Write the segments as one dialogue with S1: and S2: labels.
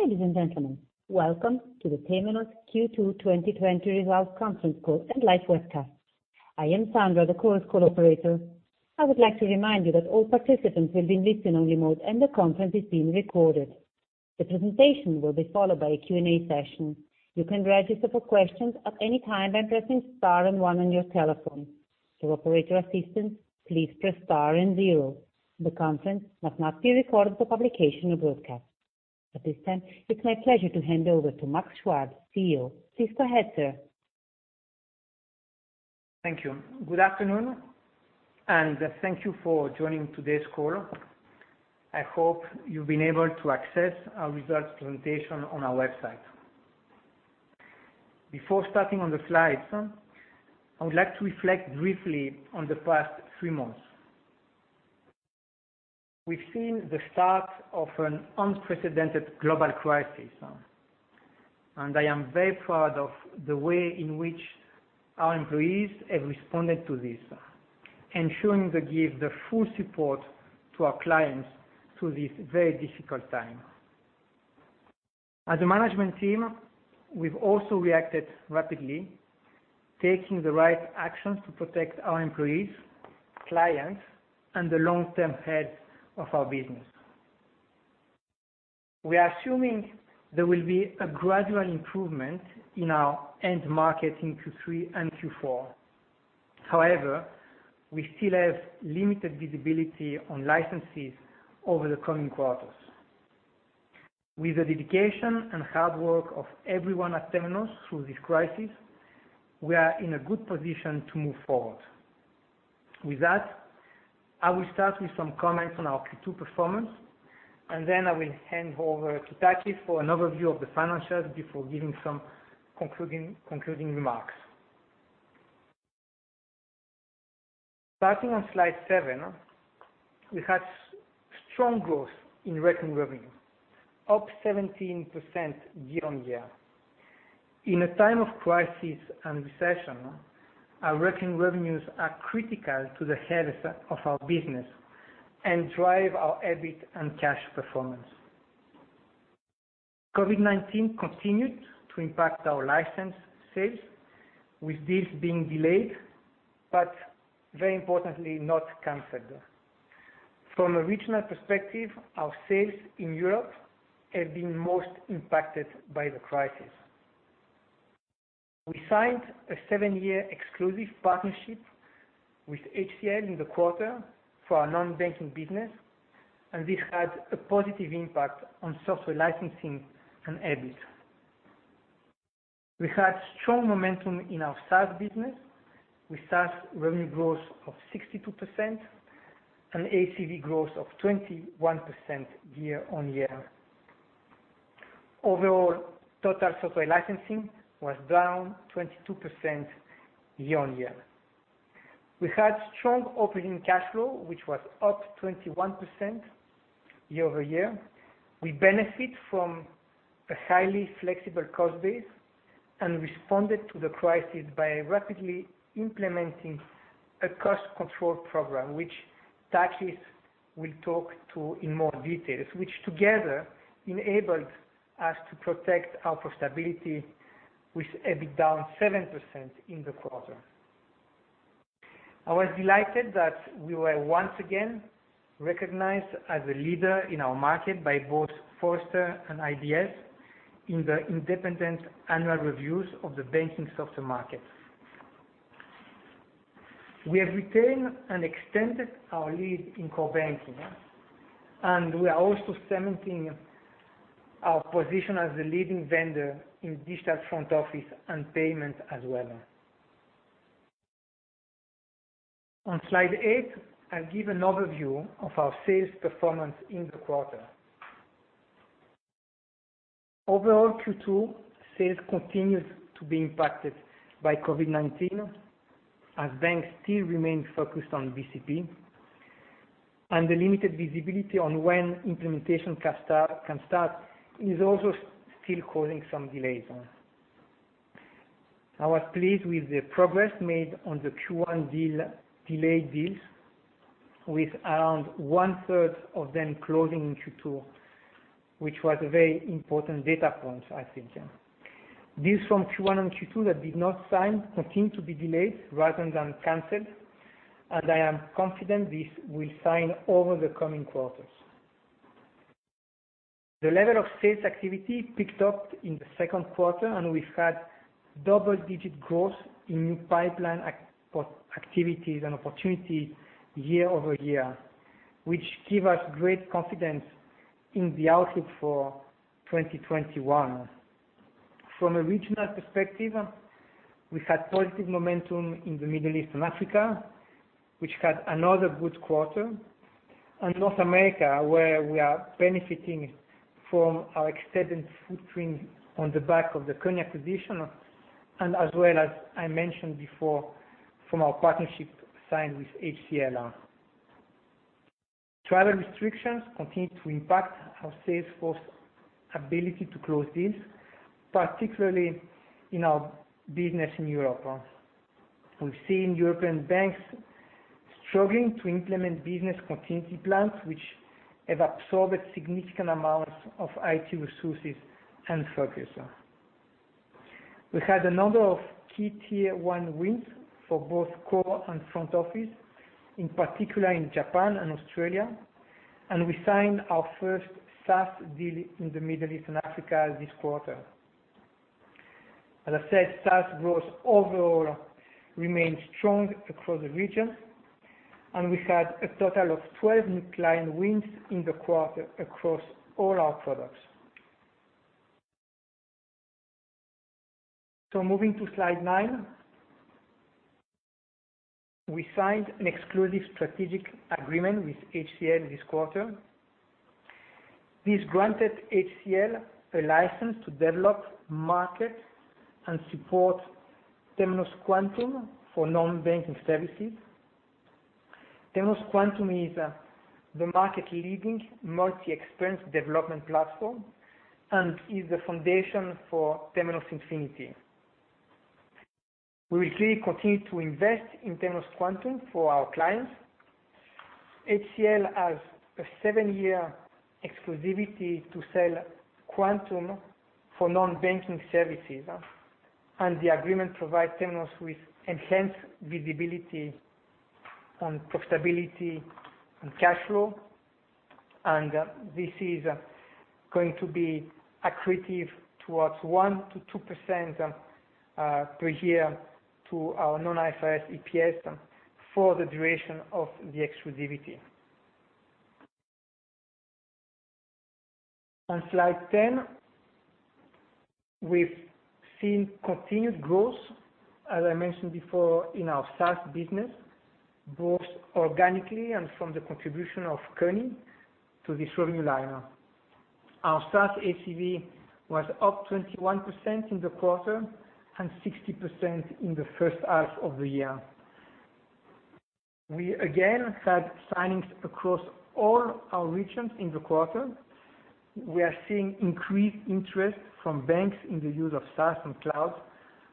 S1: Ladies and gentlemen, welcome to the Temenos Q2 2020 Results Conference Call and live webcast. I am Sandra, the conference call operator. I would like to remind you that all participants will be in listen-only mode, and the conference is being recorded. The presentation will be followed by a Q&A session. You can register for questions at any time by pressing star and 1 on your telephone. To operate your assistance, please press star and 0. The conference must not be recorded for publication or broadcast. At this time, it's my pleasure to hand over to Max Chuard, CEO. Please go ahead, sir.
S2: Thank you. Good afternoon, and thank you for joining today's call. I hope you've been able to access our results presentation on our website. Before starting on the slides, I would like to reflect briefly on the past three months. We've seen the start of an unprecedented global crisis, and I am very proud of the way in which our employees have responded to this, ensuring they give their full support to our clients through this very difficult time. As a management team, we've also reacted rapidly, taking the right actions to protect our employees, clients, and the long-term health of our business. We are assuming there will be a gradual improvement in our end market in Q3 and Q4. However, we still have limited visibility on licenses over the coming quarters. With the dedication and hard work of everyone at Temenos through this crisis, we are in a good position to move forward. I will start with some comments on our Q2 performance, then I will hand over to Takis for an overview of the financials before giving some concluding remarks. Starting on slide seven, we had strong growth in recurring revenue, up 17% year-on-year. In a time of crisis and recession, our recurring revenues are critical to the health of our business and drive our EBIT and cash performance. COVID-19 continued to impact our license sales, with deals being delayed, very importantly, not canceled. From a regional perspective, our sales in Europe have been most impacted by the crisis. We signed a seven-year exclusive partnership with HCL in the quarter for our non-banking business, and this had a positive impact on software licensing and EBIT. We had strong momentum in our SaaS business, with SaaS revenue growth of 62% and ACV growth of 21% year-on-year. Overall, total software licensing was down 22% year-on-year. We had strong operating cash flow, which was up 21% year-over-year. We benefit from a highly flexible cost base and responded to the crisis by rapidly implementing a cost control program, which Takis will talk to in more details, which together enabled us to protect our profitability with EBIT down 7% in the quarter. I was delighted that we were once again recognized as a leader in our market by both Forrester and IBS in the independent annual reviews of the banking software market. We have retained and extended our lead in core banking, and we are also cementing our position as the leading vendor in digital front office and payment as well. On slide eight, I'll give an overview of our sales performance in the quarter. Overall Q2 sales continued to be impacted by COVID-19 as banks still remain focused on BCP, and the limited visibility on when implementation can start is also still causing some delays. I was pleased with the progress made on the Q1 delayed deals, with around one-third of them closing in Q2, which was a very important data point, I think. Deals from Q1 and Q2 that did not sign continue to be delayed rather than canceled, and I am confident these will sign over the coming quarters. The level of sales activity picked up in the second quarter, and we've had double-digit growth in new pipeline activities and opportunities year over year, which give us great confidence in the outlook for 2021. From a regional perspective, we've had positive momentum in the Middle East and Africa, which had another good quarter, and North America, where we are benefiting from our extended footprint on the back of the Kony acquisition and as well as I mentioned before, from our partnership signed with HCL. Travel restrictions continue to impact our sales force ability to close deals, particularly in our business in Europe. We've seen European banks struggling to implement business continuity plans which have absorbed significant amounts of IT resources and focus. We had a number of key tier 1 wins for both core and front office, in particular in Japan and Australia, and we signed our first SaaS deal in the Middle East and Africa this quarter. As I said, SaaS growth overall remained strong across the region, and we had a total of 12 new client wins in the quarter across all our products. Moving to slide nine. We signed an exclusive strategic agreement with HCL this quarter. This granted HCL a license to develop, market, and support Temenos Quantum for non-banking services. Temenos Quantum is the market leading multi-experience development platform and is the foundation for Temenos Infinity. We will clearly continue to invest in Temenos Quantum for our clients. HCL has a 7-year exclusivity to sell Quantum for non-banking services. The agreement provides Temenos with enhanced visibility on profitability and cash flow. This is going to be accretive towards 1%-2% per year to our non-IFRS EPS for the duration of the exclusivity. On slide 10, we've seen continued growth, as I mentioned before, in our SaaS business, both organically and from the contribution of Kony to this revenue line. Our SaaS ACV was up 21% in the quarter and 60% in the first half of the year. We again had signings across all our regions in the quarter. We are seeing increased interest from banks in the use of SaaS and cloud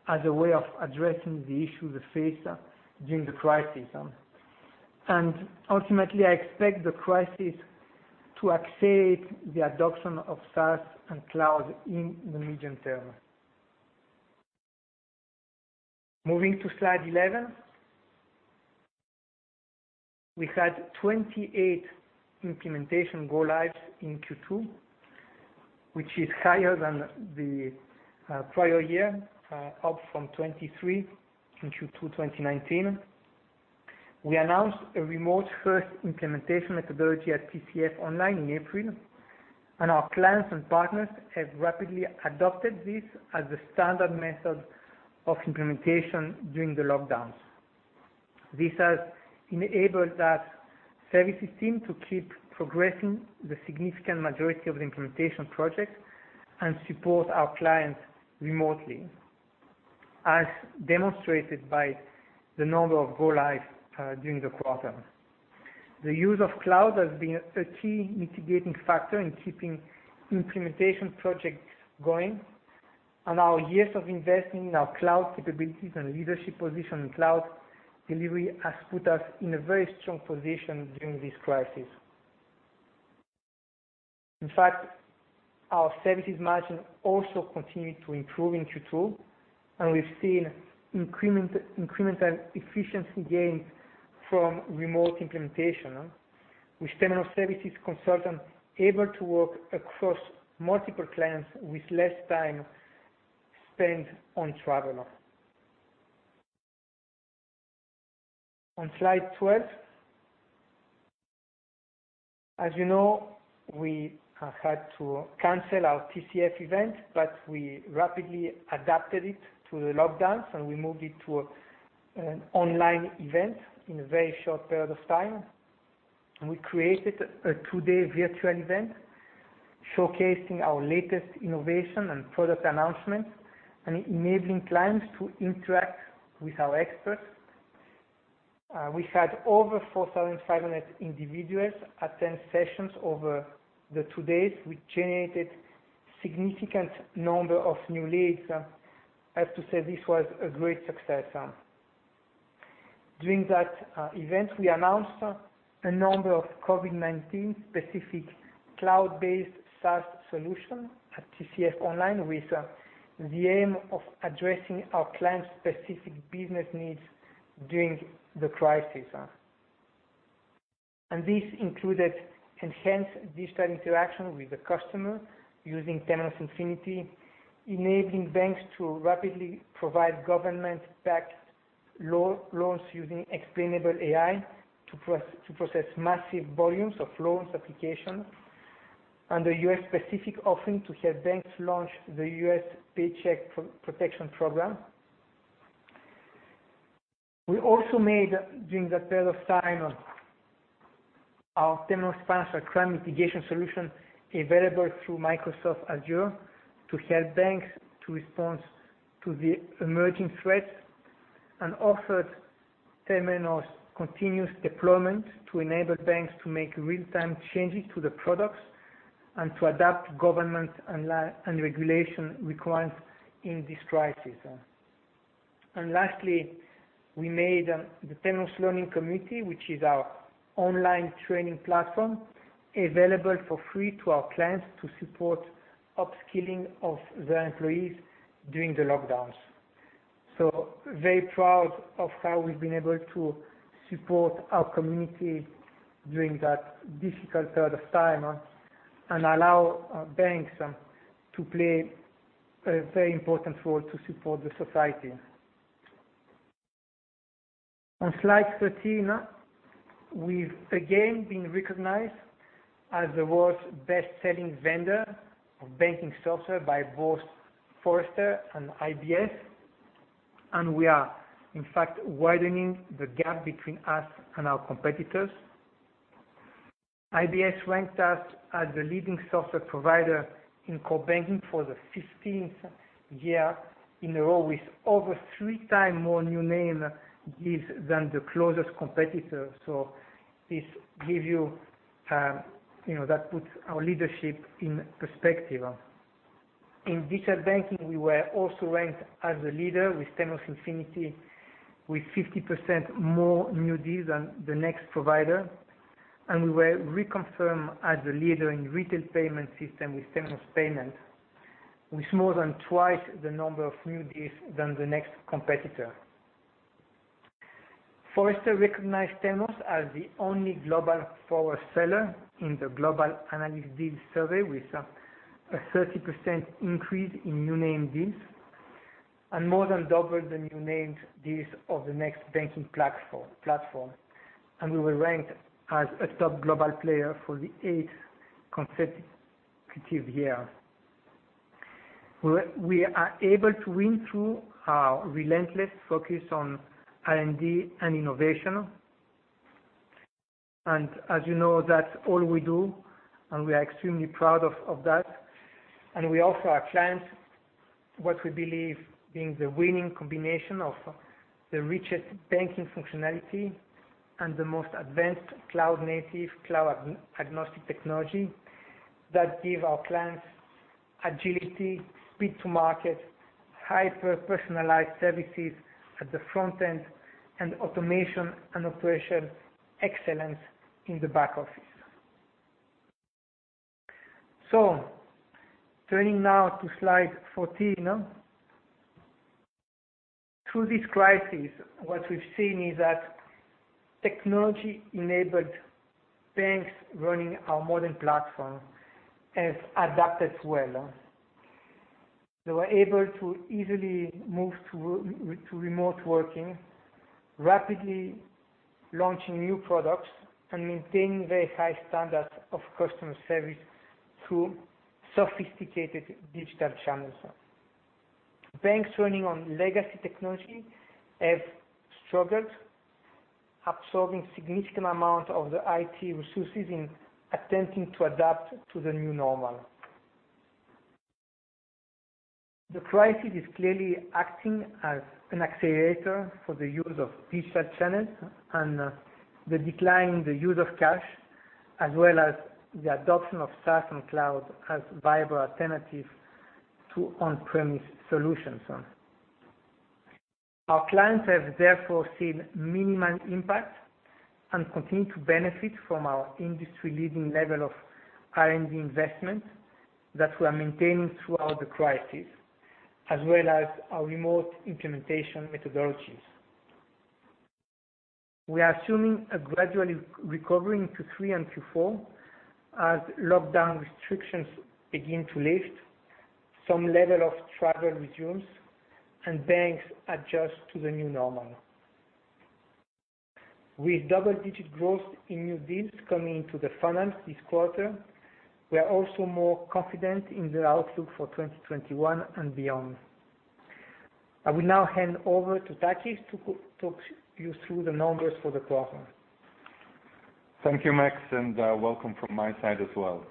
S2: as a way of addressing the issues they face during the crisis. Ultimately I expect the crisis to accelerate the adoption of SaaS and cloud in the medium term. Moving to slide 11. We had 28 implementation go lives in Q2, which is higher than the prior year, up from 23 in Q2 2019. We announced a remote first implementation methodology at TCF online in April, and our clients and partners have rapidly adopted this as the standard method of implementation during the lockdowns. This has enabled our services team to keep progressing the significant majority of the implementation projects and support our clients remotely, as demonstrated by the number of go live during the quarter. The use of cloud has been a key mitigating factor in keeping implementation projects going, and our years of investing in our cloud capabilities and leadership position in cloud delivery has put us in a very strong position during this crisis. In fact, our services margin also continued to improve in Q2, and we've seen incremental efficiency gains from remote implementation with Temenos services consultants able to work across multiple clients with less time spent on travel. On slide 12. As you know, we have had to cancel our TCF event, but we rapidly adapted it to the lockdowns, and we moved it to an online event in a very short period of time. We created a two-day virtual event showcasing our latest innovation and product announcements and enabling clients to interact with our experts. We had over 4,500 individuals attend sessions over the two days. We generated significant number of new leads. I have to say this was a great success. During that event, we announced a number of COVID-19 specific cloud-based SaaS solutions at TCF online with the aim of addressing our clients' specific business needs during the crisis. This included enhanced digital interaction with the customer using Temenos Infinity, enabling banks to rapidly provide government-backed loans using explainable AI to process massive volumes of loans applications and specifically to help banks launch the U.S. Paycheck Protection Program. We also made during that period of time our Temenos Financial Crime Mitigation solution available through Microsoft Azure to help banks to respond to the emerging threats and offered Temenos Continuous Deployment to enable banks to make real time changes to the products and to adapt government and regulation requirements in this crisis. Lastly, we made the Temenos Learning Community, which is our online training platform, available for free to our clients to support upskilling of their employees during the lockdowns. Very proud of how we've been able to support our community during that difficult period of time and allow banks to play a very important role to support the society. On slide 13, we've again been recognized as the world's best-selling vendor of banking software by both Forrester and IBS, and we are in fact widening the gap between us and our competitors. IBS ranked us as the leading software provider in core banking for the 15th year in a row, with over three times more new name deals than the closest competitor. That puts our leadership in perspective. In digital banking, we were also ranked as the leader with Temenos Infinity with 50% more new deals than the next provider, and we were reconfirmed as the leader in retail payment system with Temenos Payments, with more than twice the number of new deals than the next competitor. Forrester recognized Temenos as the only Global Power Seller in the Global Banking Platform Deals Survey, with a 30% increase in new name deals and more than double the new named deals of the next banking platform. We were ranked as a top global player for the eighth consecutive year. We are able to win through our relentless focus on R&D and innovation. As you know, that's all we do, and we are extremely proud of that. We offer our clients what we believe being the winning combination of the richest banking functionality and the most advanced cloud native, cloud-agnostic technology that give our clients agility, speed to market, hyper-personalized services at the front end, and automation and operational excellence in the back office. Turning now to slide 14. Through this crisis, what we've seen is that technology-enabled banks running our modern platform have adapted well. They were able to easily move to remote working, rapidly launching new products, and maintaining very high standards of customer service through sophisticated digital channels. Banks running on legacy technology have struggled, absorbing significant amount of the IT resources in attempting to adapt to the new normal. The crisis is clearly acting as an accelerator for the use of digital channels and the decline in the use of cash, as well as the adoption of SaaS and cloud as viable alternative to on-premise solutions. Our clients have therefore seen minimal impact and continue to benefit from our industry leading level of R&D investment that we are maintaining throughout the crisis, as well as our remote implementation methodologies. We are assuming a gradual recovering to Q3 and Q4 as lockdown restrictions begin to lift, some level of travel resumes, and banks adjust to the new normal. With double-digit growth in new deals coming into the funnel this quarter, we are also more confident in the outlook for 2021 and beyond. I will now hand over to Takis to talk you through the numbers for the quarter.
S3: Thank you, Max. Welcome from my side as well.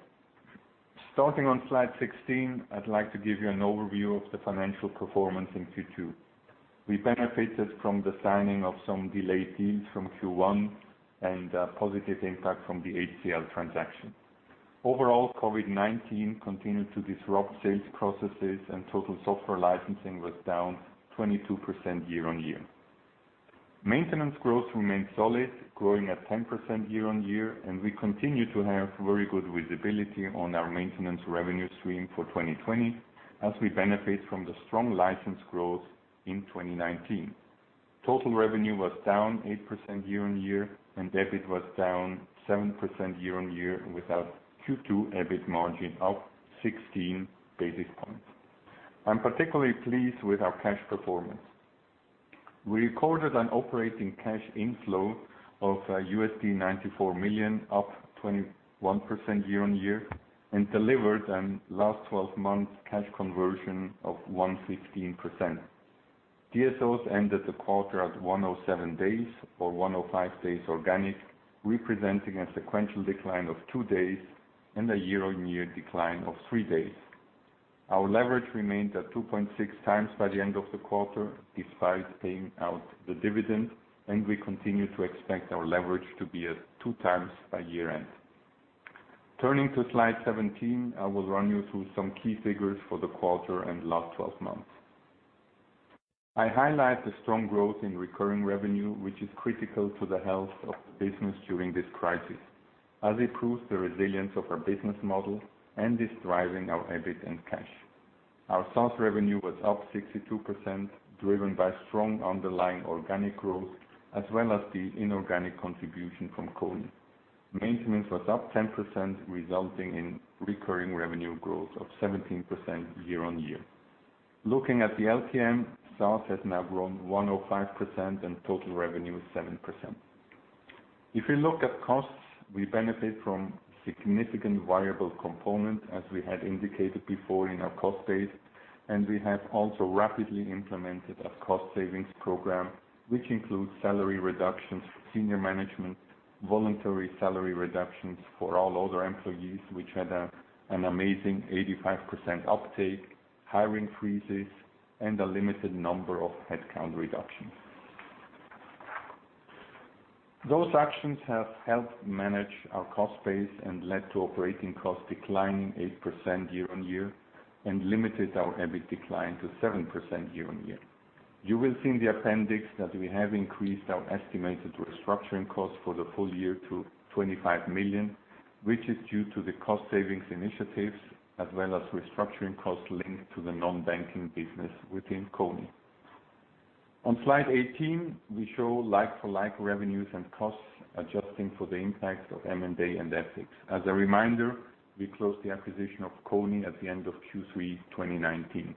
S3: Starting on slide 16, I'd like to give you an overview of the financial performance in Q2. We benefited from the signing of some delayed deals from Q1 and a positive impact from the HCL transaction. Overall, COVID-19 continued to disrupt sales processes and total software licensing was down 22% year-on-year. Maintenance growth remained solid, growing at 10% year-on-year. We continue to have very good visibility on our maintenance revenue stream for 2020 as we benefit from the strong license growth in 2019. Total revenue was down 8% year-on-year. EBIT was down 7% year-on-year, with our Q2 EBIT margin up 16 basis points. I'm particularly pleased with our cash performance. We recorded an operating cash inflow of $94 million, up 21% year-on-year, and delivered a last 12 months cash conversion of 115%. DSOs ended the quarter at 107 days, or 105 days organic, representing a sequential decline of two days and a year-on-year decline of three days. Our leverage remained at 2.6 times by the end of the quarter, despite paying out the dividend. We continue to expect our leverage to be at two times by year-end. Turning to slide 17, I will run you through some key figures for the quarter and last 12 months. I highlight the strong growth in recurring revenue, which is critical to the health of the business during this crisis, as it proves the resilience of our business model and is driving our EBIT and cash. Our SaaS revenue was up 62%, driven by strong underlying organic growth as well as the inorganic contribution from Kony. Maintenance was up 10%, resulting in recurring revenue growth of 17% year-on-year. Looking at the LTM, SaaS has now grown 105% and total revenue 7%. We benefit from significant variable component, as we had indicated before in our cost base, and we have also rapidly implemented a cost savings program which includes salary reductions for senior management, voluntary salary reductions for all other employees, which had an amazing 85% uptake, hiring freezes, and a limited number of headcount reductions. Those actions have helped manage our cost base and led to operating costs declining 8% year-on-year and limited our EBIT decline to 7% year-on-year. You will see in the appendix that we have increased our estimated restructuring costs for the full year to $25 million, which is due to the cost savings initiatives as well as restructuring costs linked to the non-banking business within Kony. On slide 18, we show like-for-like revenues and costs, adjusting for the impact of M&A and FX. As a reminder, we closed the acquisition of Kony at the end of Q3 2019.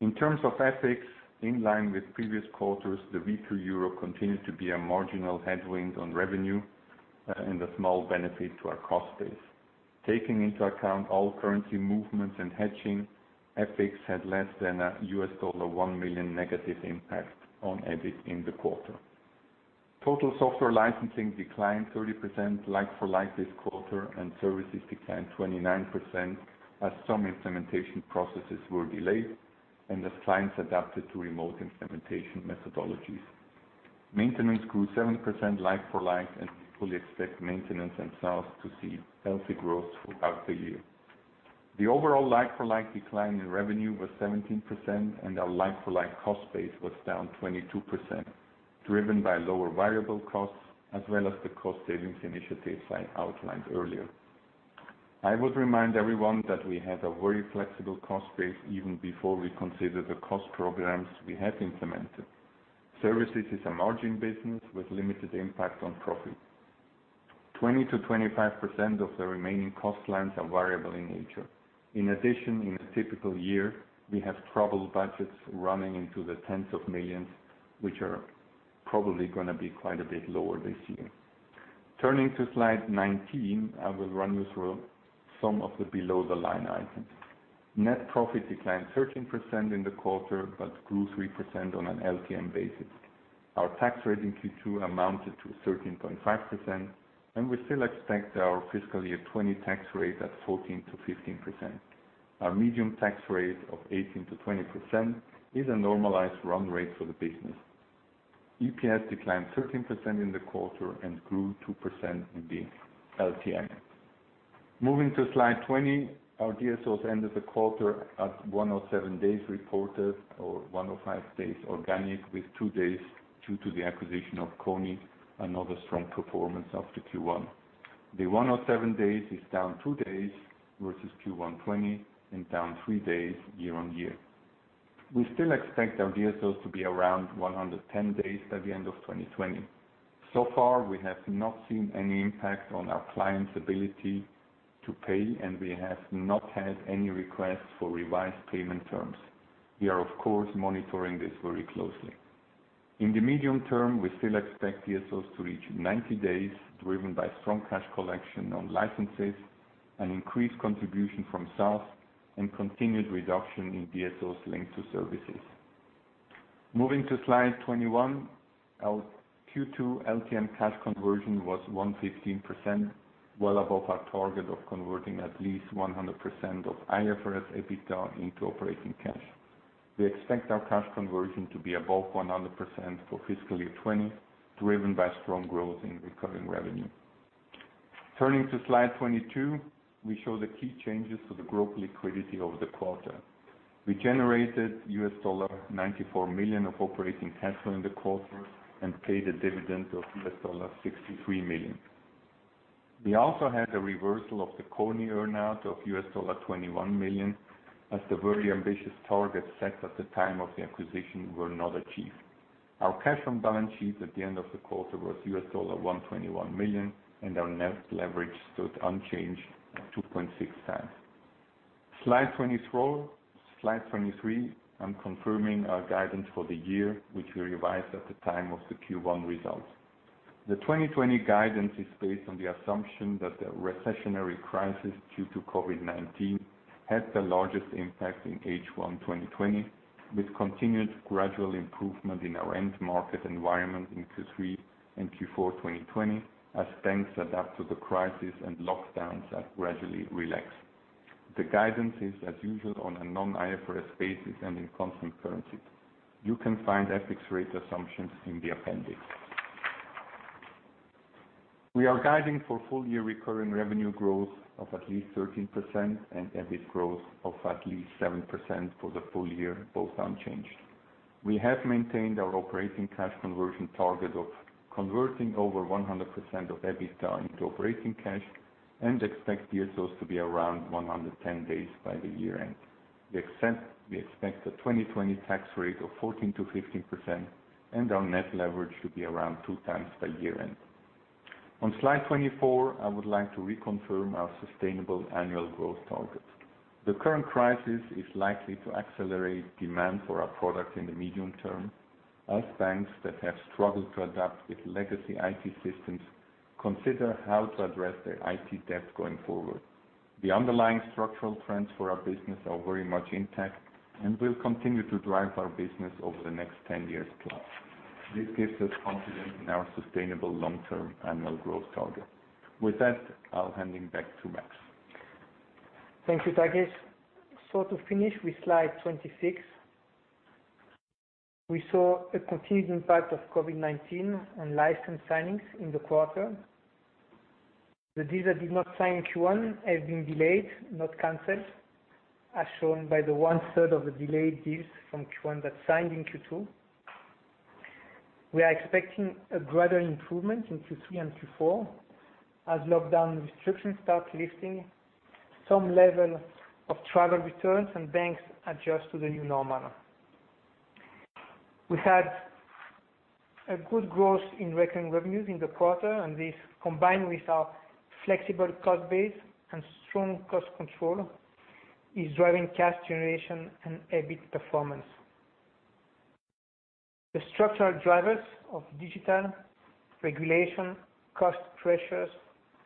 S3: In terms of FX, in line with previous quarters, the weak euro continued to be a marginal headwind on revenue and a small benefit to our cost base. Taking into account all currency movements and hedging, FX had less than a $1 million negative impact on EBIT in the quarter. Total software licensing declined 30% like-for-like this quarter. Services declined 29%, as some implementation processes were delayed and as clients adapted to remote implementation methodologies. Maintenance grew 7% like-for-like, and we fully expect maintenance and SaaS to see healthy growth throughout the year. The overall like-for-like decline in revenue was 17%, and our like-for-like cost base was down 22%, driven by lower variable costs as well as the cost savings initiatives I outlined earlier. I would remind everyone that we had a very flexible cost base even before we consider the cost programs we have implemented. Services is a margin business with limited impact on profit. 20%-25% of the remaining cost lines are variable in nature. In addition, in a typical year, we have travel budgets running into the $ tens of millions, which are probably going to be quite a bit lower this year. Turning to slide 19, I will run you through some of the below-the-line items. Net profit declined 13% in the quarter but grew 3% on an LTM basis. Our tax rate in Q2 amounted to 13.5%, and we still expect our fiscal year 2020 tax rate at 14%-15%. Our medium tax rate of 18%-20% is a normalized run rate for the business. EPS declined 13% in the quarter and grew 2% in the LTM. Moving to slide 20, our DSOs ended the quarter at 107 days reported or 105 days organic, with two days due to the acquisition of Kony, another strong performance after Q1. The 107 days is down two days versus Q1 2020 and down three days year-on-year. We still expect our DSOs to be around 110 days by the end of 2020. So far, we have not seen any impact on our clients' ability to pay, and we have not had any requests for revised payment terms. We are, of course, monitoring this very closely. In the medium term, we still expect DSOs to reach 90 days, driven by strong cash collection on licenses and increased contribution from SaaS and continued reduction in DSOs linked to services. Moving to slide 21, our Q2 LTM cash conversion was 115%, well above our target of converting at least 100% of IFRS EBITDA into operating cash. We expect our cash conversion to be above 100% for fiscal year 2020, driven by strong growth in recurring revenue. Turning to slide 22, we show the key changes to the group liquidity over the quarter. We generated $94 million of operating cash flow in the quarter and paid a dividend of $63 million. We also had a reversal of the Kony earn-out of $21 million, as the very ambitious targets set at the time of the acquisition were not achieved. Our cash on balance sheet at the end of the quarter was $121 million, and our net leverage stood unchanged at 2.6 times. Slide 23, I'm confirming our guidance for the year, which we revised at the time of the Q1 results. The 2020 guidance is based on the assumption that the recessionary crisis due to COVID-19 had the largest impact in H1 2020, with continued gradual improvement in our end market environment in Q3 and Q4 2020, as banks adapt to the crisis and lockdowns are gradually relaxed. The guidance is as usual on a non-IFRS basis and in constant currency. You can find FX rate assumptions in the appendix. We are guiding for full-year recurring revenue growth of at least 13% and EBIT growth of at least 7% for the full year, both unchanged. We have maintained our operating cash conversion target of converting over 100% of EBITDA into operating cash, and expect DSOs to be around 110 days by the year end. We expect a 2020 tax rate of 14% to 15%, and our net leverage to be around two times by year end. On slide 24, I would like to reconfirm our sustainable annual growth target. The current crisis is likely to accelerate demand for our product in the medium term as banks that have struggled to adapt with legacy IT systems consider how to address their IT debt going forward. The underlying structural trends for our business are very much intact, and will continue to drive our business over the next 10 years plus. This gives us confidence in our sustainable long-term annual growth target. With that, I'll hand it back to Max.
S2: Thank you, Takis. To finish with Slide 26, we saw a continued impact of COVID-19 on license signings in the quarter. The deals that did not sign in Q1 have been delayed, not canceled, as shown by the one-third of the delayed deals from Q1 that signed in Q2. We are expecting a greater improvement in Q3 and Q4 as lockdown restrictions start lifting, some level of travel returns, and banks adjust to the new normal. We had a good growth in recurring revenues in the quarter, and this, combined with our flexible cost base and strong cost control, is driving cash generation and EBIT performance. The structural drivers of digital regulation, cost pressures,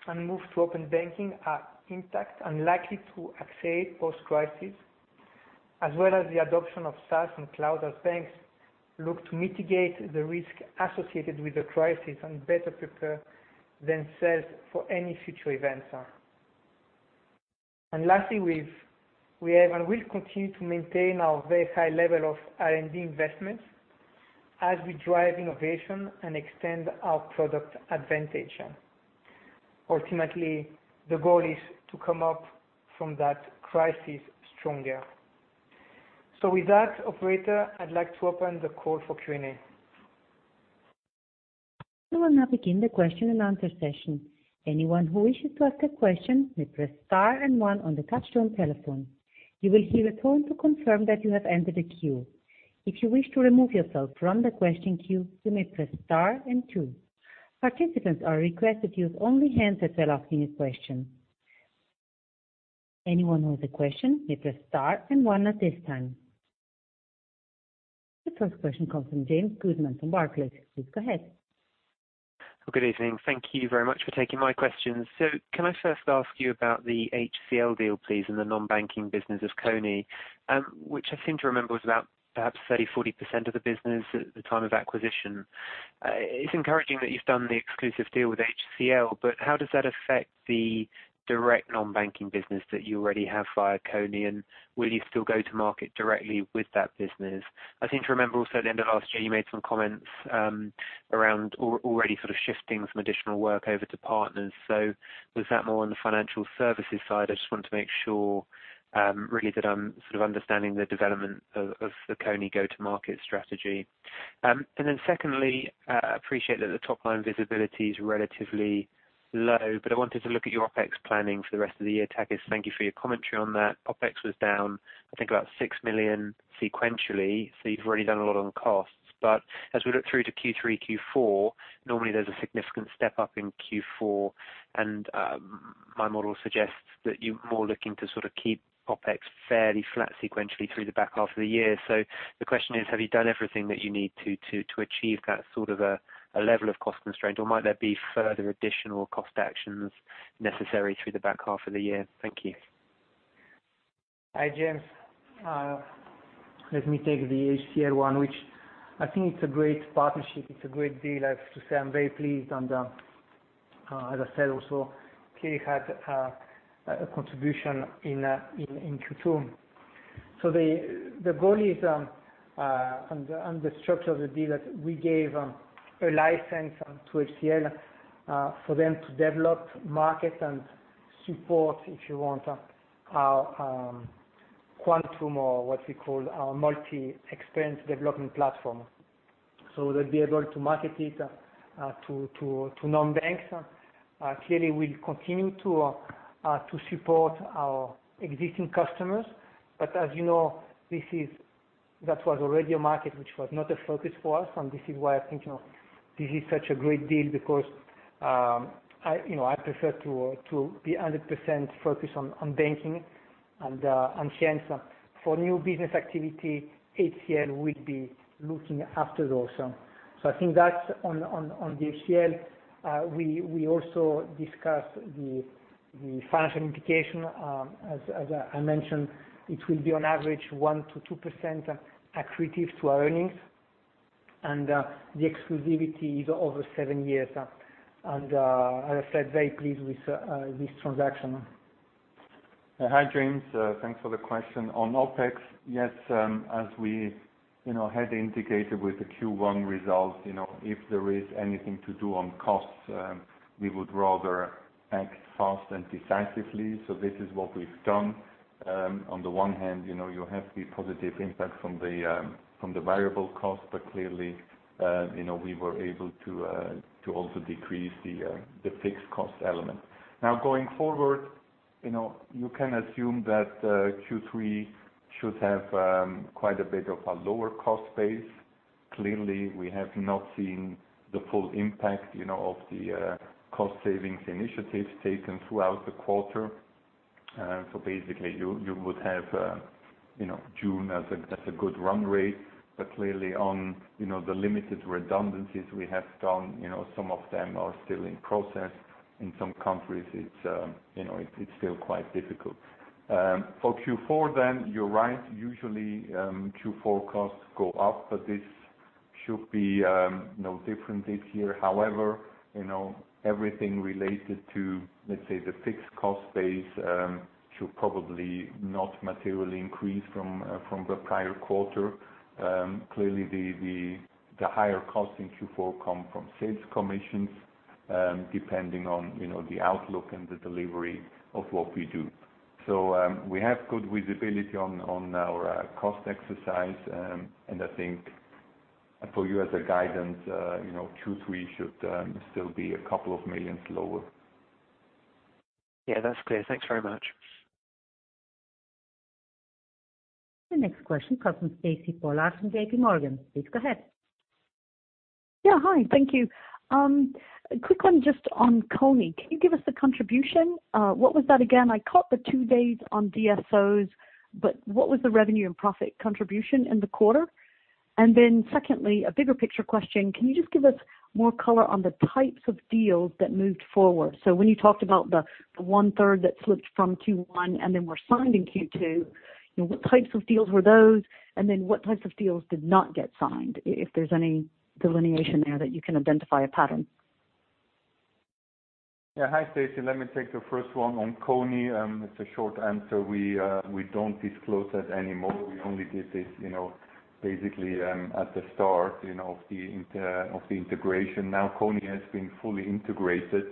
S2: and move to open banking are intact and likely to accelerate post-crisis, as well as the adoption of SaaS and cloud as banks look to mitigate the risk associated with the crisis and better prepare themselves for any future events. Lastly, we have and will continue to maintain our very high level of R&D investments as we drive innovation and extend our product advantage. Ultimately, the goal is to come up from that crisis stronger. With that, operator, I'd like to open the call for Q&A.
S1: We will now begin the question and answer session. Anyone who wishes to ask a question may press star and one on the touch-tone telephone. You will hear a tone to confirm that you have entered a queue. If you wish to remove yourself from the question queue, you may press star and two. Participants are requested to use only hands that are asking a question. Anyone with a question may press star and one at this time. The first question comes from James Goodman from Barclays. Please go ahead.
S4: Good evening. Thank you very much for taking my questions. Can I first ask you about the HCL deal, please, and the non-banking business of Kony, which I seem to remember was about perhaps 30%-40% of the business at the time of acquisition. It's encouraging that you've done the exclusive deal with HCL, but how does that affect the direct non-banking business that you already have via Kony, and will you still go to market directly with that business? I seem to remember also at the end of last year, you made some comments around already sort of shifting some additional work over to partners. Was that more on the financial services side? I just want to make sure, really that I'm sort of understanding the development of the Kony go-to-market strategy. Secondly, I appreciate that the top-line visibility is relatively low, but I wanted to look at your OpEx planning for the rest of the year. Takis, thank you for your commentary on that. OpEx was down, I think about six million sequentially, you've already done a lot on costs. As we look through to Q3, Q4, normally there's a significant step up in Q4, my model suggests that you're more looking to sort of keep OpEx fairly flat sequentially through the back half of the year. The question is, have you done everything that you need to achieve that sort of a level of cost constraint? Might there be further additional cost actions necessary through the back half of the year? Thank you.
S2: Hi, James. Let me take the HCL one, which I think it's a great partnership. It's a great deal. I have to say, I'm very pleased, and as I said also, clearly had a contribution in Q2. The goal is, on the structure of the deal that we gave a license to HCL for them to develop market and support, if you want, our Quantum or what we call our multi-experience development platform. They'll be able to market it to non-banks. Clearly, we'll continue to support our existing customers. As you know, that was already a market which was not a focus for us, and this is why I think this is such a great deal because I prefer to be 100% focused on banking and finance. For new business activity, HCL will be looking after those. I think that's on the HCL. We also discussed the financial implication. As I mentioned, it will be on average 1% to 2% accretive to our earnings. The exclusivity is over seven years. As I said, very pleased with this transaction.
S3: Hi, James. Thanks for the question. On OpEx, yes, as we had indicated with the Q1 results, if there is anything to do on costs, we would rather act fast and decisively. This is what we've done. On the one hand, you have the positive impact from the variable cost, but clearly, we were able to also decrease the fixed cost element. Going forward, you can assume that Q3 should have quite a bit of a lower cost base. Clearly, we have not seen the full impact of the cost savings initiatives taken throughout the quarter. Basically, you would have June as a good run rate, but clearly on the limited redundancies we have done, some of them are still in process. In some countries it's still quite difficult. Q4, you're right. Usually Q4 costs go up, but this should be no different this year. Everything related to, let's say, the fixed cost base should probably not materially increase from the prior quarter. Clearly, the higher costs in Q4 come from sales commissions, depending on the outlook and the delivery of what we do. We have good visibility on our cost exercise, and I think for you as a guidance, Q3 should still be a couple of millions lower.
S4: Yeah, that's clear. Thanks very much.
S1: The next question comes from Stacy Pollard from J.P. Morgan. Please go ahead.
S5: Hi, thank you. Quick one just on Kony. Can you give us the contribution? What was that again? I caught the two days on DSOs, but what was the revenue and profit contribution in the quarter? Secondly, a bigger picture question, can you just give us more color on the types of deals that moved forward? When you talked about the one-third that slipped from Q1 and then were signed in Q2, what types of deals were those? What types of deals did not get signed, if there's any delineation there that you can identify a pattern?
S3: Yeah. Hi, Stacy. Let me take the first one. On Kony, it's a short answer. We don't disclose that anymore. We only did this basically at the start of the integration. Now, Kony has been fully integrated.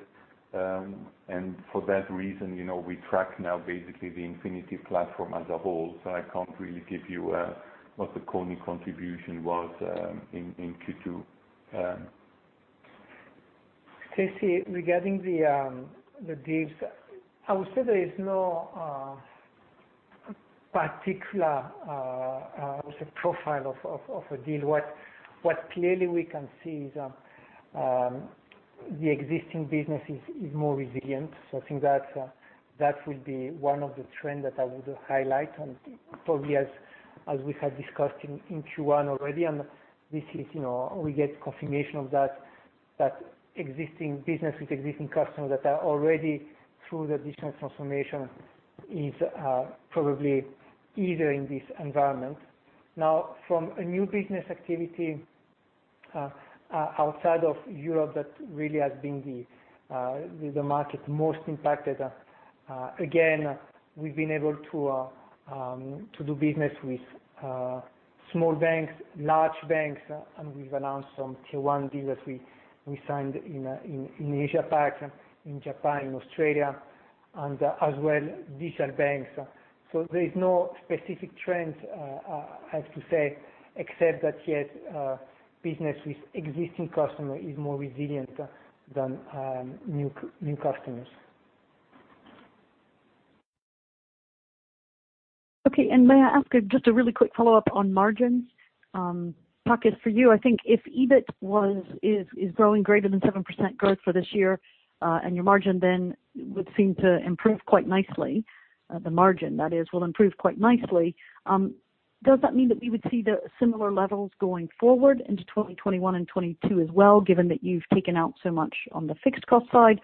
S3: For that reason, we track now basically the Infinity platform as a whole. I can't really give you what the Kony contribution was in Q2.
S2: Stacy, regarding the deals, I would say there is no particular profile of a deal. What clearly we can see is the existing business is more resilient. I think that will be one of the trend that I would highlight, and probably as we had discussed in Q1 already, and we get confirmation of that existing business with existing customers that are already through the digital transformation is probably easier in this environment. Now from a new business activity outside of Europe, that really has been the market most impacted. Again, we've been able to do business with small banks, large banks, and we've announced some Q1 deals that we signed in AsiaPac, in Japan, in Australia, and as well digital banks. There is no specific trends I have to say, except that, yes, business with existing customer is more resilient than new customers.
S5: Okay. May I ask just a really quick follow-up on margins? Max, for you, I think if EBIT is growing greater than 7% growth for this year, and your margin then would seem to improve quite nicely. The margin, that is, will improve quite nicely. Does that mean that we would see the similar levels going forward into 2021 and 2022 as well, given that you've taken out so much on the fixed cost side?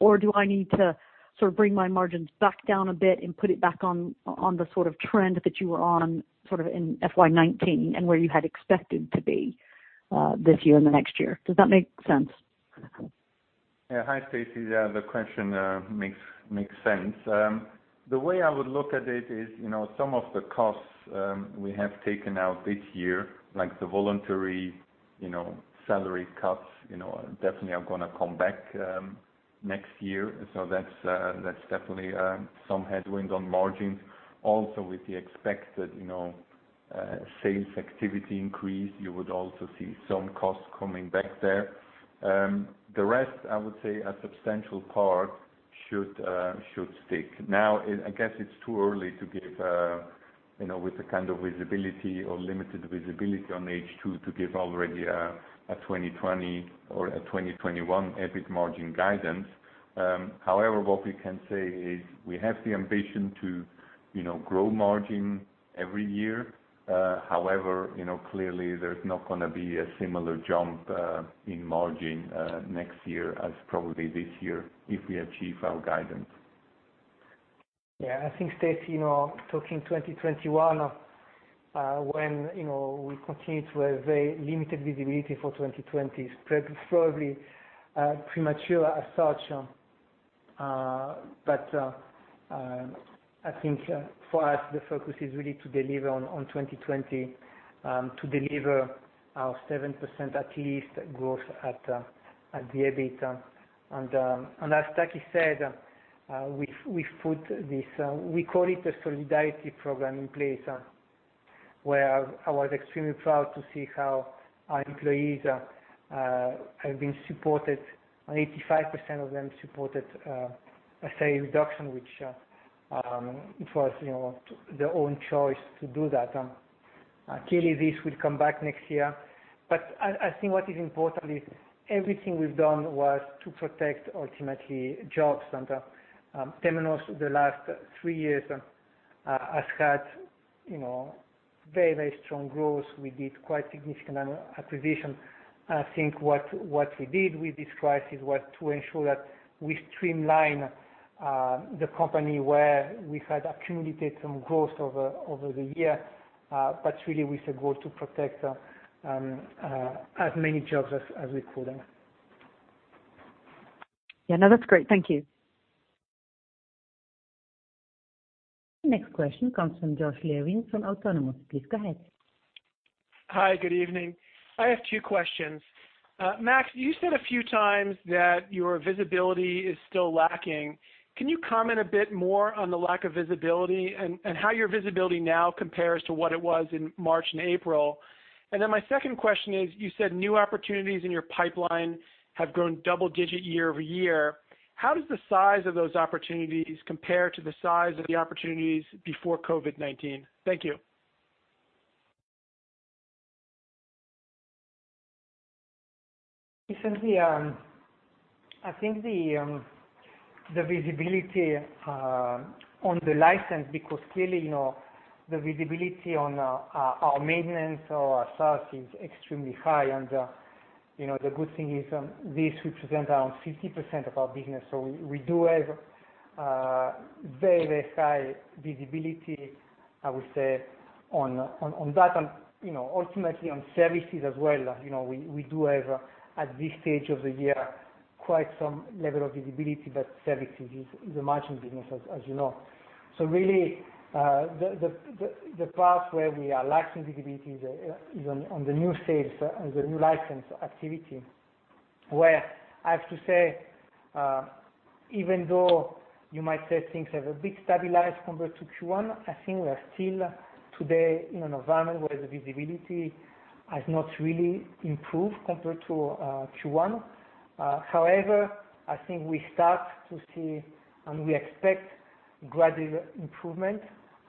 S5: Do I need to sort of bring my margins back down a bit and put it back on the sort of trend that you were on, sort of in FY 2019 and where you had expected to be this year and the next year? Does that make sense?
S3: Hi, Stacy. The question makes sense. The way I would look at it is some of the costs we have taken out this year, like the voluntary salary cuts definitely are going to come back next year. That's definitely some headwind on margin. With the expected sales activity increase, you would also see some costs coming back there. The rest, I would say a substantial part should stick. I guess it's too early with the kind of visibility or limited visibility on H2 to give already a 2020 or a 2021 EBIT margin guidance. What we can say is we have the ambition to grow margin every year. Clearly there's not going to be a similar jump in margin next year as probably this year if we achieve our guidance.
S2: Yeah, I think, Stacy, talking 2021, when we continue to have very limited visibility for 2020 is probably premature as such. I think for us, the focus is really to deliver on 2020, to deliver our 7% at least growth at the EBIT. As Taiki said, we call it a solidarity program in place, where I was extremely proud to see how our employees have been supported. 85% of them supported a salary reduction, which it was their own choice to do that. Clearly, this will come back next year. I think what is important is everything we've done was to protect, ultimately, jobs. Temenos, the last three years, has had very strong growth. We did quite significant acquisitions. I think what we did with this crisis was to ensure that we streamline the company where we had accumulated some growth over the year, but really with the goal to protect as many jobs as we could.
S5: Yeah, no, that's great. Thank you.
S1: Next question comes from Josh Levin from Autonomous. Please go ahead.
S6: Hi, good evening. I have two questions. Max, you said a few times that your visibility is still lacking. Can you comment a bit more on the lack of visibility and how your visibility now compares to what it was in March and April? My second question is, you said new opportunities in your pipeline have grown double-digit year-over-year. How does the size of those opportunities compare to the size of the opportunities before COVID-19? Thank you.
S2: Listen, I think the visibility on the license, because clearly, the visibility on our maintenance or our SaaS is extremely high, and the good thing is this represents around 50% of our business. We do have very high visibility, I would say, on that and ultimately on services as well. We do have, at this stage of the year, quite some level of visibility, but services is a margin business, as you know. Really, the part where we are lacking visibility is on the new sales and the new license activity, where I have to say, even though you might say things have a bit stabilized compared to Q1, I think we are still today in an environment where the visibility has not really improved compared to Q1. However, I think we start to see, and we expect gradual improvement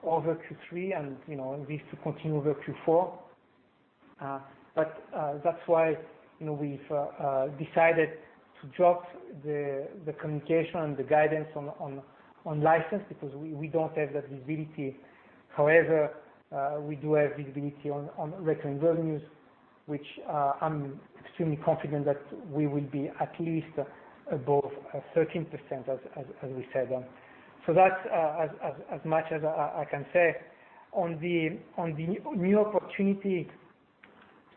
S2: over Q3 and this to continue over Q4. That's why we've decided to drop the communication and the guidance on license because we don't have that visibility. However, we do have visibility on recurring revenues, which I'm extremely confident that we will be at least above 13%, as we said. That's as much as I can say. On the new opportunity,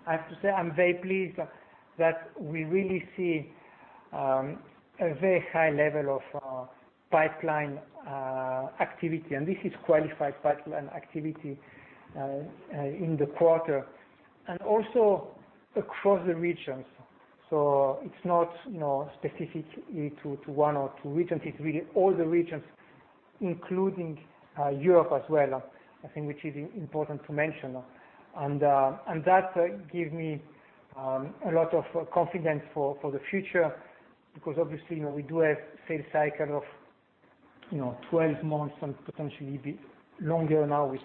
S2: I have to say I'm very pleased that we really see a very high level of pipeline activity, and this is qualified pipeline activity in the quarter and also across the regions. It's not specific to one or two regions. It's really all the regions, including Europe as well, I think, which is important to mention. That gives me a lot of confidence for the future because obviously, we do have sales cycle of 12 months and potentially a bit longer now with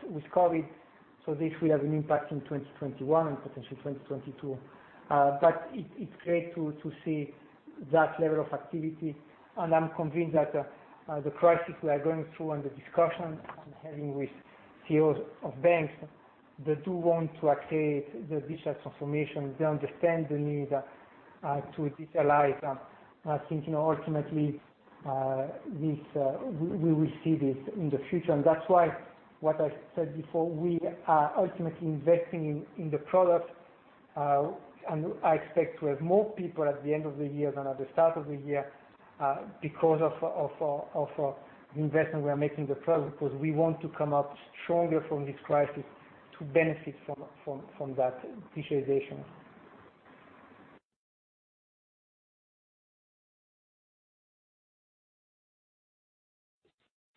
S2: COVID-19. This will have an impact in 2021 and potentially 2022. It's great to see that level of activity, and I'm convinced that the crisis we are going through and the discussions I'm having with CEOs of banks, they do want to accelerate the digital transformation. They understand the need to digitalize. I think ultimately, we will see this in the future, and that's why what I said before, we are ultimately investing in the product. I expect to have more people at the end of the year than at the start of the year, because of the investment we are making in the product, because we want to come out stronger from this crisis to benefit from that digitalization.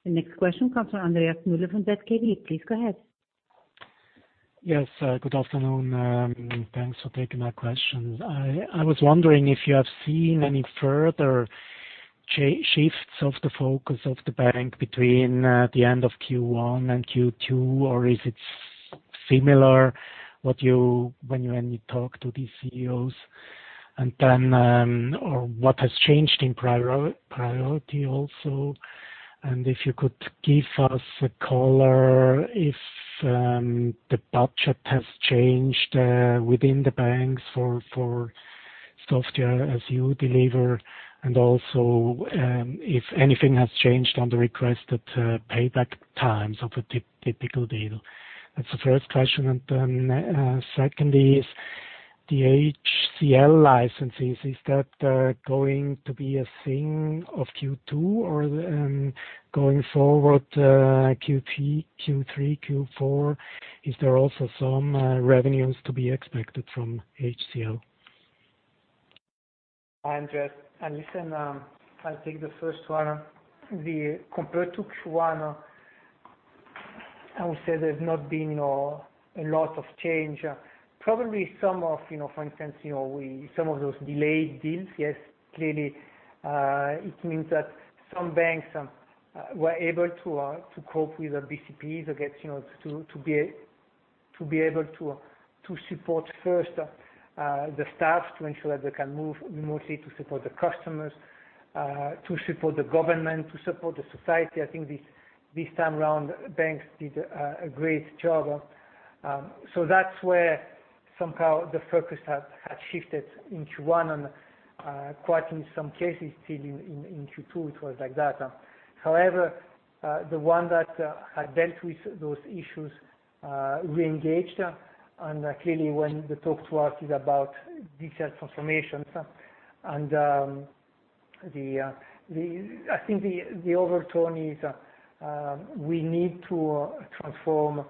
S1: The next question comes from Andreas Mueller from Bank Vontobel. Please go ahead.
S7: Yes, good afternoon. Thanks for taking my question. I was wondering if you have seen any further shifts of the focus of the bank between the end of Q1 and Q2, or is it similar when you talk to these CEOs? What has changed in priority also? If you could give us a color if the budget has changed within the banks for Software as a Service you deliver, and also if anything has changed on the requested payback times of a typical deal. That's the first question. Secondly, is the HCL licenses, is that going to be a thing of Q2 or going forward, Q3, Q4? Is there also some revenues to be expected from HCL?
S2: Hi, Andreas. Listen, I'll take the first one. Compared to Q1, I would say there's not been a lot of change. Probably some of, for instance, some of those delayed deals, yes, clearly it means that some banks were able to cope with their BCPs to be able to support first the staff to ensure that they can move mostly to support the customers, to support the government, to support the society. I think this time around, banks did a great job. That's where somehow the focus had shifted in Q1 and quite in some cases still in Q2, it was like that. However, the one that had dealt with those issues reengaged, and clearly when they talk to us is about digital transformations. I think the overtone is we need to transform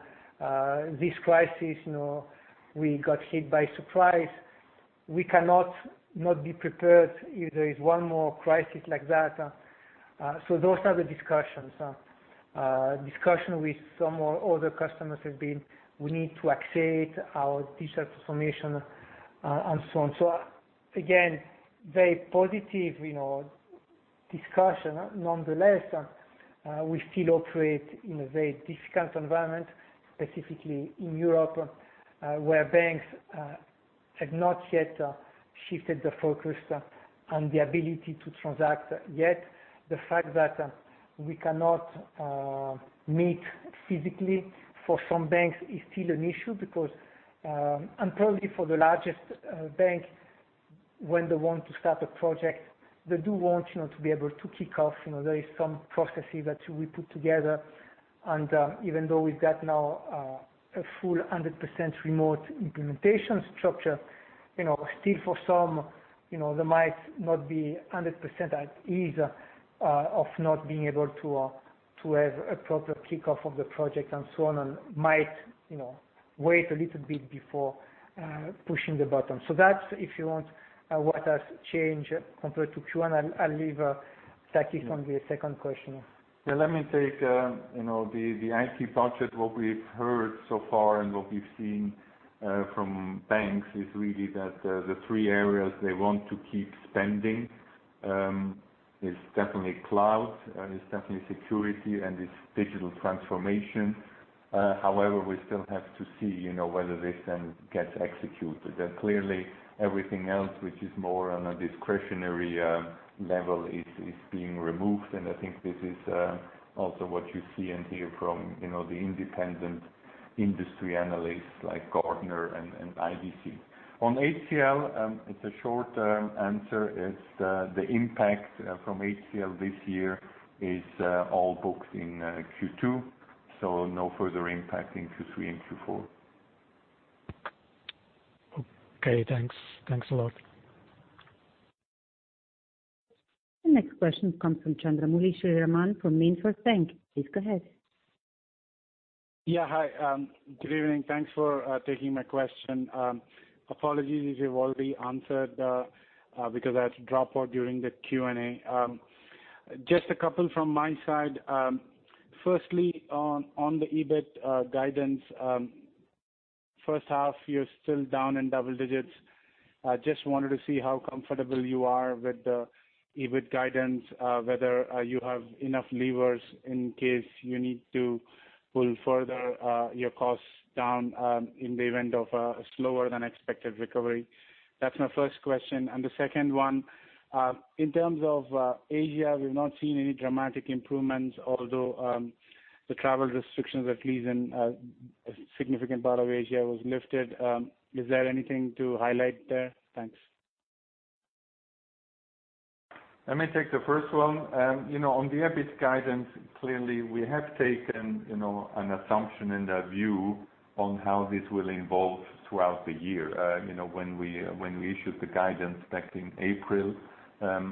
S2: this crisis. We got hit by surprise. We cannot not be prepared if there is one more crisis like that. Those are the discussions. Discussion with some other customers have been, we need to accelerate our digital transformation and so on. Again, very positive discussion. Nonetheless, we still operate in a very difficult environment, specifically in Europe, where banks have not yet shifted the focus on the ability to transact yet. The fact that we cannot meet physically for some banks is still an issue because, and probably for the largest bank, when they want to start a project, they do want to be able to kick off. There is some processes that we put together, and even though we've got now a full 100% remote implementation structure, still for some, they might not be 100% at ease of not being able to have a proper kickoff of the project and so on, and might wait a little bit before pushing the button. That's, if you want, what has changed compared to Q1. I'll leave Takis on the second question.
S3: Let me take the IT budget. What we've heard so far and what we've seen from banks is really that the three areas they want to keep spending is definitely cloud, is definitely security, and is digital transformation. We still have to see whether this then gets executed. Clearly, everything else which is more on a discretionary level is being removed, and I think this is also what you see and hear from the independent industry analysts like Gartner and IDC. On HCL, it's a short-term answer. It's the impact from HCL this year is all booked in Q2, so no further impact in Q3 and Q4.
S7: Okay, thanks. Thanks a lot.
S1: The next question comes from Chandramouli Sriraman from Stifel Nicolaus Europe Ltd. Please go ahead.
S8: Hi. Good evening. Thanks for taking my question. Apologies if you've already answered, because I had to drop out during the Q&A. Just a couple from my side. Firstly, on the EBIT guidance first half, you're still down in double digits. Just wanted to see how comfortable you are with the EBIT guidance, whether you have enough levers in case you need to pull further your costs down in the event of a slower than expected recovery. That's my first question. The second one in terms of Asia, we've not seen any dramatic improvements, although the travel restrictions, at least in a significant part of Asia, was lifted. Is there anything to highlight there? Thanks.
S3: Let me take the first one. On the EBIT guidance, clearly, we have taken an assumption and a view on how this will evolve throughout the year. When we issued the guidance back in April,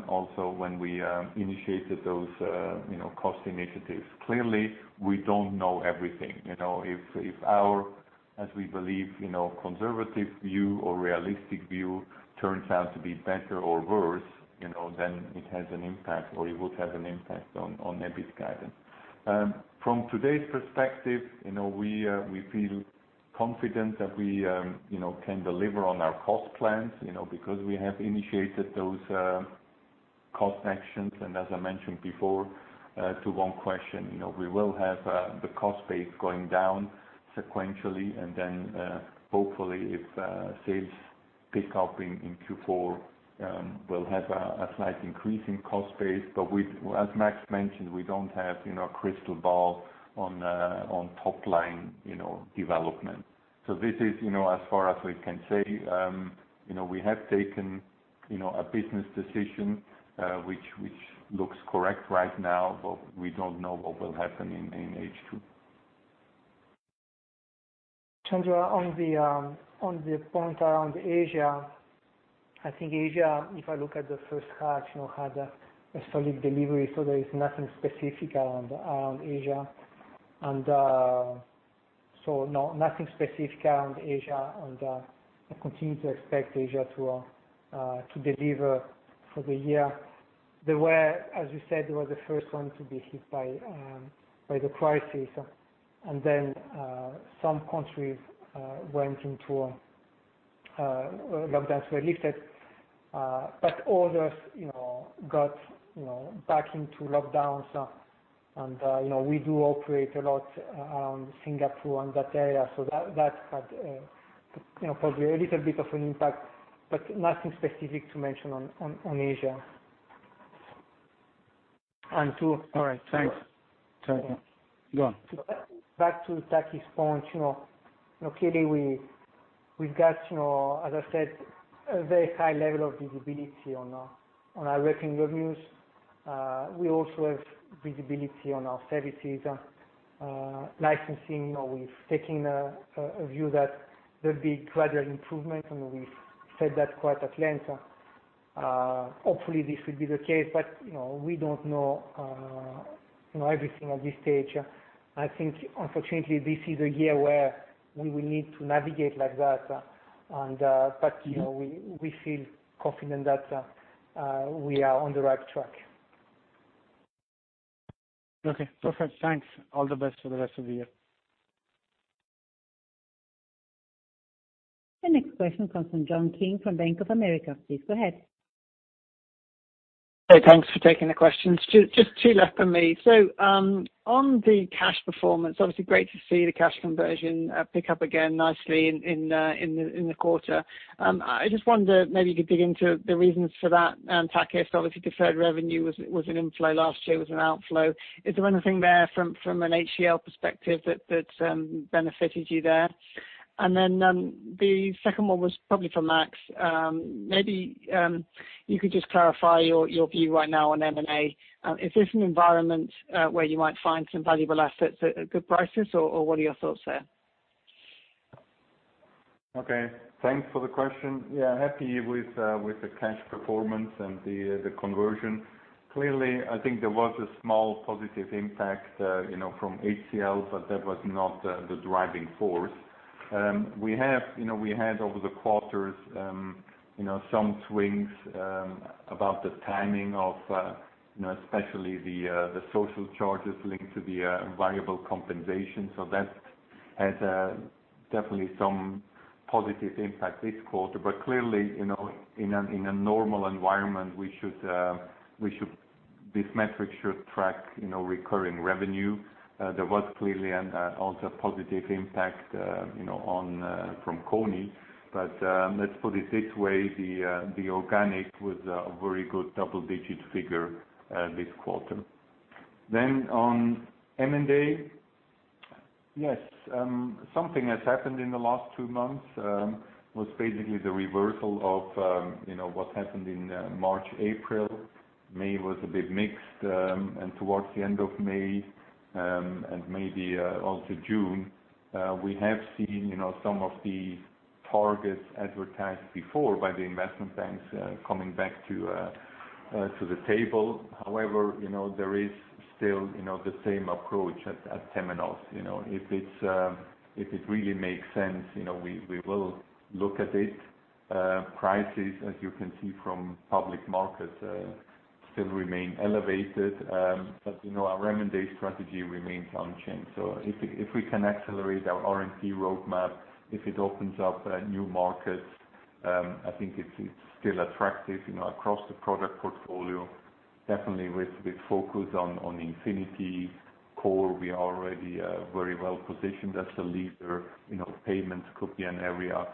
S3: also when we initiated those cost initiatives. Clearly, we don't know everything. If our, as we believe, conservative view or realistic view turns out to be better or worse, then it has an impact, or it would have an impact on EBIT guidance. From today's perspective, we feel confident that we can deliver on our cost plans, because we have initiated those cost actions. As I mentioned before to one question, we will have the cost base going down sequentially, and then hopefully, if sales pick up in Q4, we'll have a slight increase in cost base. As Max mentioned, we don't have a crystal ball on top line development. So this is as far as we can say. We have taken a business decision, which looks correct right now, but we don't know what will happen in H2.
S2: Chandra, on the point around Asia. I think Asia, if I look at the first half, had a solid delivery. There is nothing specific around Asia. No, nothing specific around Asia and I continue to expect Asia to deliver for the year. As you said, they were the first one to be hit by the crisis. Some countries went into lockdowns were lifted. Others got back into lockdowns and we do operate a lot around Singapore and that area. That had probably a little bit of an impact, but nothing specific to mention on Asia.
S8: All right. Thanks. Go on.
S2: Back to Takis' point. Clearly, we've got, as I said, a very high level of visibility on our recurring revenues. We also have visibility on our services, licensing. We've taken a view that there'll be gradual improvement, and we've said that quite at length. Hopefully, this will be the case. We don't know everything at this stage. I think unfortunately, this is a year where we will need to navigate like that. We feel confident that we are on the right track.
S8: Okay, perfect. Thanks. All the best for the rest of the year.
S1: The next question comes from John King from Bank of America. Please go ahead.
S9: Hey, thanks for taking the questions. Just two left for me. On the cash performance, obviously great to see the cash conversion pick up again nicely in the quarter. I just wonder if maybe you could dig into the reasons for that, Takis. Obviously, deferred revenue was an inflow last year, was an outflow. Is there anything there from an HCL perspective that benefited you there? The second one was probably for Max. Maybe you could just clarify your view right now on M&A. Is this an environment where you might find some valuable assets at good prices, or what are your thoughts there?
S3: Okay. Thanks for the question. Yeah, happy with the cash performance and the conversion. Clearly, I think there was a small positive impact from HCL, but that was not the driving force. We had over the quarters some swings about the timing of especially the social charges linked to the variable compensation. That has definitely some positive impact this quarter. Clearly, in a normal environment, this metric should track recurring revenue. There was clearly also positive impact from Kony. Let's put it this way, the organic was a very good double-digit figure this quarter. On M&A. Yes, something has happened in the last two months, basically the reversal of what happened in March, April. May was a bit mixed, and towards the end of May, and maybe also June, we have seen some of the targets advertised before by the investment banks coming back to the table. However, there is still the same approach at Temenos. Prices, as you can see from public markets, still remain elevated. Our M&A strategy remains unchanged. If we can accelerate our R&D roadmap, if it opens up new markets, I think it's still attractive across the product portfolio. Definitely with focus on Infinity core, we are already very well positioned as a leader. Payments could be an area.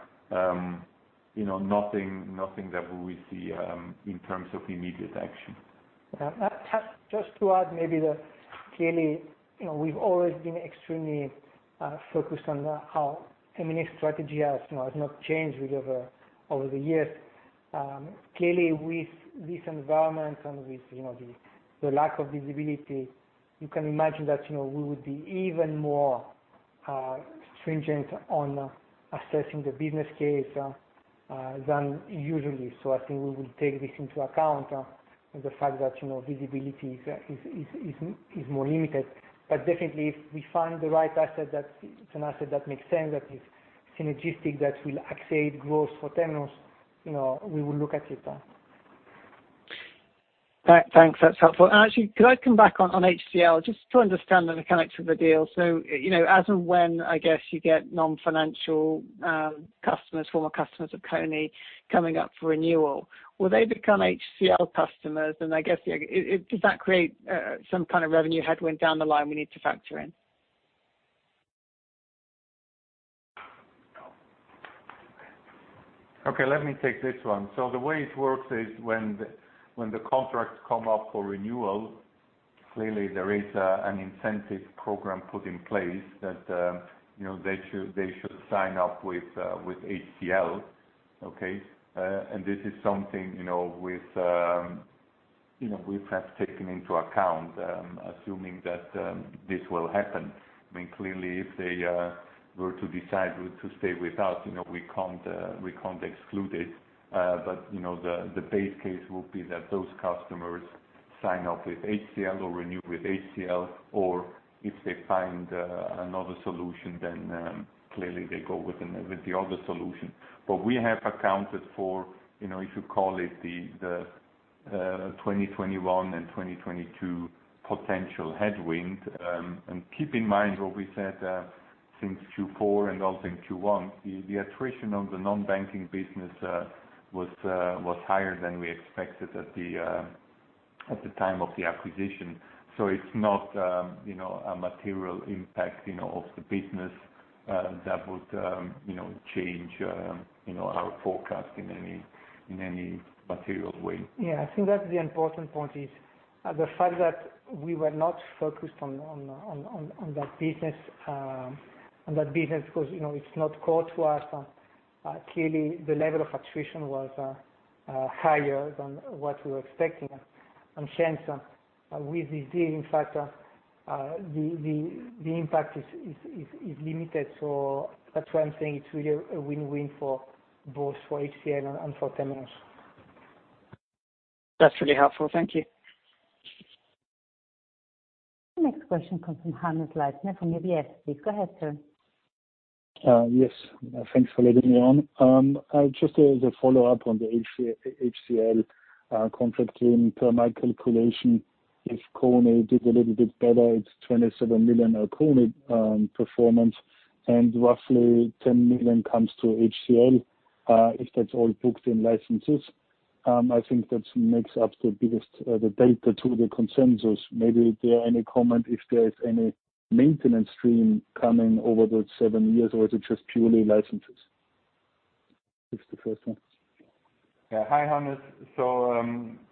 S3: Nothing that we see in terms of immediate action.
S2: Just to add maybe that clearly, we've always been extremely focused on how M&A strategy has not changed really over the years. With this environment and with the lack of visibility, you can imagine that we would be even more stringent on assessing the business case than usually. I think we will take this into account, and the fact that visibility is more limited. Definitely if we find the right asset, that it's an asset that makes sense, that is synergistic, that will accelerate growth for Temenos, we will look at it.
S9: Thanks. That's helpful. Actually, could I come back on HCL, just to understand the mechanics of the deal. As and when, I guess, you get non-financial customers, former customers of Kony coming up for renewal, will they become HCL customers? I guess, does that create some kind of revenue headwind down the line we need to factor in?
S3: Okay, let me take this one. The way it works is when the contracts come up for renewal, clearly there is an incentive program put in place that they should sign up with HCL. Okay? This is something we have taken into account, assuming that this will happen. Clearly, if they were to decide to stay without, we can't exclude it. The base case will be that those customers sign up with HCL or renew with HCL, or if they find another solution, clearly they go with the other solution. We have accounted for, if you call it the 2021 and 2022 potential headwind. Keep in mind what we said, since Q4 and also in Q1, the attrition of the non-banking business was higher than we expected at the time of the acquisition. It's not a material impact of the business that would change our forecast in any material way.
S2: Yeah, I think that's the important point is the fact that we were not focused on that business, because it's not core to us. Clearly, the level of attrition was higher than what we were expecting. Shane, with this deal, in fact, the impact is limited. That's why I'm saying it's really a win-win for both HCL and for Temenos.
S9: That's really helpful. Thank you.
S1: The next question comes from Hannes Leitner from UBS. Please go ahead, sir.
S10: Yes. Thanks for letting me on. Just as a follow-up on the HCL contract team. Per my calculation, if Kony did a little bit better, it's $27 million Kony performance, and roughly $10 million comes to HCL, if that's all booked in licenses. I think that makes up the biggest, the delta to the consensus. Maybe there any comment if there is any maintenance stream coming over those seven years or is it just purely licenses? It's the first one.
S3: Yeah. Hi, Hannes.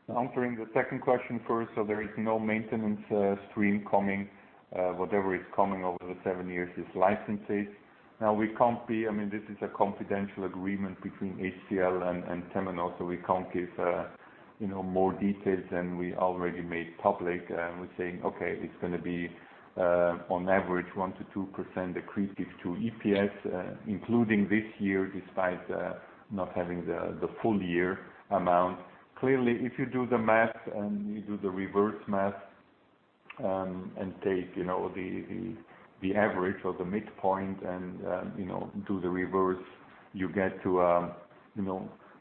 S3: Answering the second question first. There is no maintenance stream coming. Whatever is coming over the seven years is licenses. This is a confidential agreement between HCL and Temenos, we can't give more details than we already made public. We're saying, okay, it's going to be on average 1%-2% accretive to EPS, including this year, despite not having the full year amount. Clearly, if you do the math and you do the reverse math and take the average or the midpoint and do the reverse, you get to a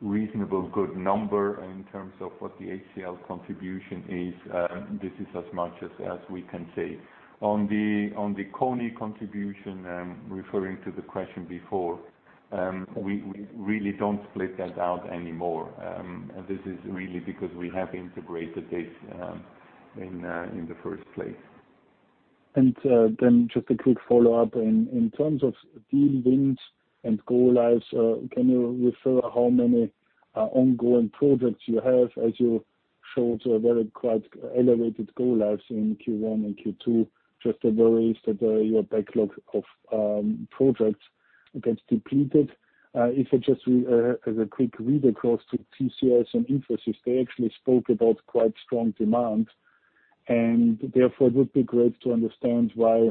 S3: reasonably good number in terms of what the HCL contribution is. This is as much as we can say. On the Kony contribution, referring to the question before, we really don't split that out anymore. This is really because we have integrated this in the first place.
S10: Just a quick follow-up. In terms of deal wins and go lives, can you refer how many ongoing projects you have as you showed a very quite elevated go lives in Q1 and Q2, just the worries that your backlog of projects gets depleted. If it just as a quick read across to TCS and Infosys, they actually spoke about quite strong demand, it would be great to understand why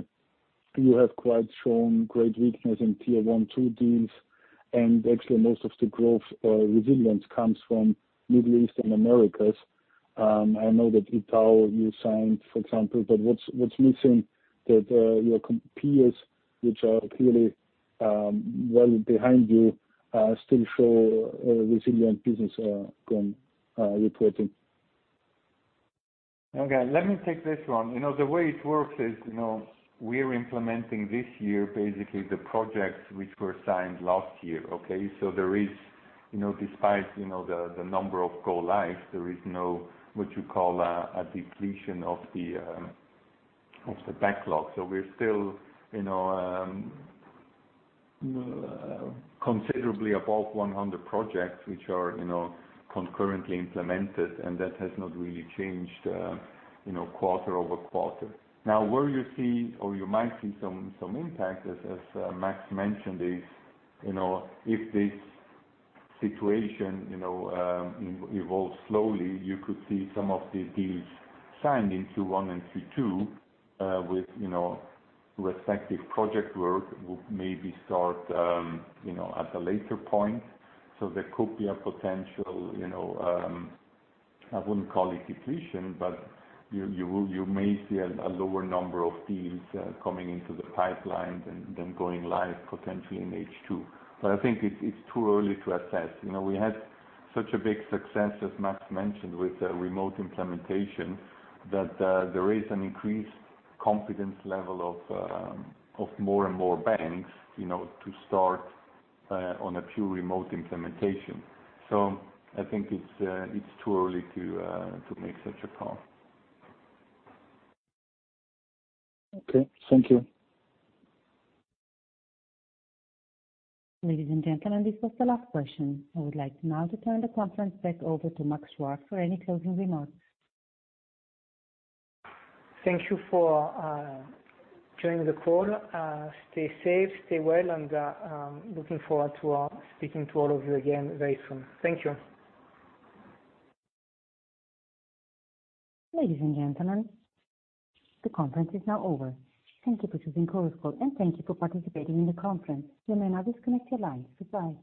S10: you have quite shown great weakness in tier 1, 2 deals. Most of the growth resilience comes from Middle East and Americas. I know that Itaú you signed, for example, what's missing that your peers, which are clearly well behind you still show a resilient business reporting?
S3: Okay, let me take this one. The way it works is, we're implementing this year, basically the projects which were signed last year. Okay. Despite the number of go lives, there is no, what you call a depletion of the backlog. We're still considerably above 100 projects, which are concurrently implemented, and that has not really changed quarter-over-quarter. Now where you see or you might see some impact as Max mentioned, is if this situation evolves slowly, you could see some of the deals signed in Q1 and Q2 with respective project work would maybe start at a later point. There could be a potential, I wouldn't call it depletion, but you may see a lower number of deals coming into the pipeline than going live potentially in H2. I think it's too early to assess. We had such a big success, as Max mentioned, with remote implementation, that there is an increased confidence level of more and more banks to start on a pure remote implementation. I think it's too early to make such a call.
S10: Okay. Thank you.
S1: Ladies and gentlemen, this was the last question. I would like now to turn the conference back over to Max Chuard for any closing remarks.
S2: Thank you for joining the call. Stay safe, stay well, and looking forward to speaking to all of you again very soon. Thank you.
S1: Ladies and gentlemen, the conference is now over. Thank you for choosing Chorus Call, and thank you for participating in the conference. You may now disconnect your line. Goodbye.